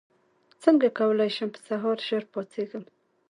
څنګه کولی شم په سهار ژر پاڅېږم